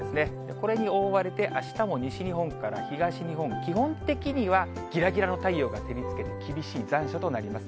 これに覆われて、あしたも西日本から東日本、基本的にはぎらぎらの太陽が照りつけて厳しい残暑となります。